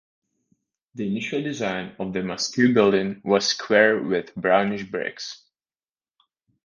The initial design of the mosque building was square with brownish bricks.